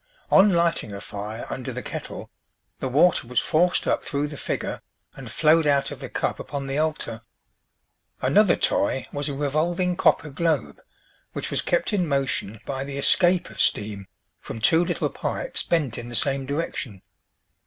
On lighting a fire under the kettle, the water was forced up through the figure, and flowed out of the cup upon the altar. Another toy was a revolving copper globe, which was kept in motion by the escape of steam from two little pipes bent in the same direction.